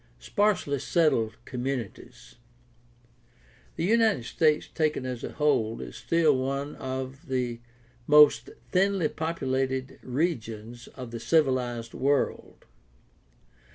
Sparsely settled communities. — The United States taken as a whole is still one of the most thinly populated regions of the civilized world.